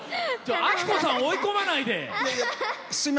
アッコさんを追い込まないで！